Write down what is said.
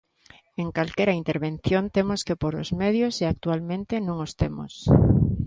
En calquera intervención temos que pór os medios e actualmente non os temos.